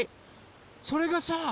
それがさ